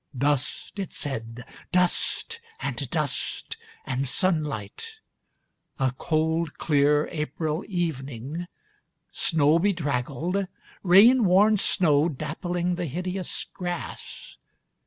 'Dust,' it said, 'dust .... and dust .... and sunlight .... A cold clear April evening .... snow bedraggled .... Rain worn snow dappling the hideous grass